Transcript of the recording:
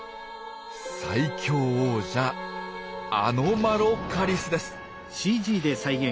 最強王者アノマロカリスです。